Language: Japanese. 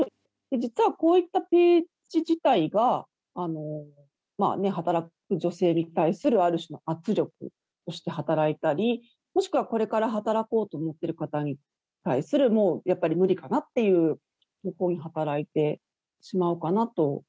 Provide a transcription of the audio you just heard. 実はこういったページ自体が、働く女性に対するある種の圧力として働いたり、もしくはこれから働こうと思ってる方に対する、もう、やっぱり無理かなっていう、方向に働いてしまうかなと。